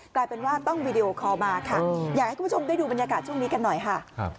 กลายเป็นว่าต้องวีดีโอคอลมาค่ะอยากให้คุณผู้ชมได้ดูบรรยากาศช่วงนี้กันหน่อยค่ะ